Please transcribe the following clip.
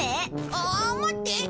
ああ待って！